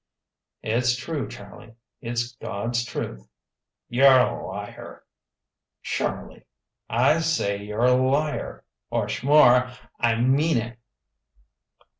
"It's true, Charlie it's God's truth." "You're a liar!" "Charlie !" "I say, you're a liar! Wha'sh more, I mean it."